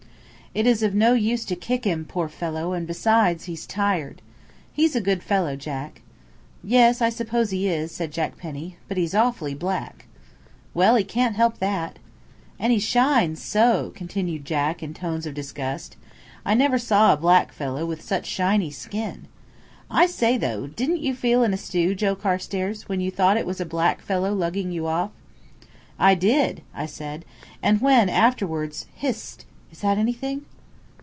"It is of no use to kick him, poor fellow, and, besides, he's tired. He's a good fellow, Jack." "Yes, I suppose he is," said Jack Penny; "but he's awfully black." "Well, he can't help that." "And he shines so!" continued Jack in tones of disgust. "I never saw a black fellow with such a shiny skin. I say, though, didn't you feel in a stew, Joe Carstairs, when you thought it was a black fellow lugging you off?" "I did," I said; "and when afterwards hist! is that anything?"